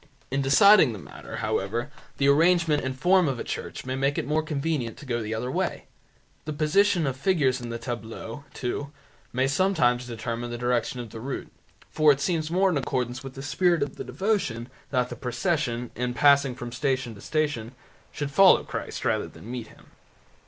In deciding the matter, however, the arrangement and form of a church may make it more convenient to go the other way. The position of the figures in the tableaux, too, may sometimes determine the direction of the route, for it seems more in accordance with the spirit of the devotion that the procession, in passing from station to station, should follow Christ rather than meet Him.